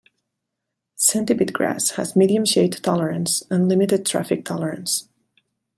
Centipedegrass has medium shade tolerance and limited traffic tolerance.